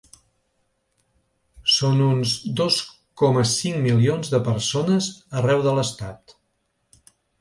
Són uns dos coma cinc milions de persones arreu de l’estat.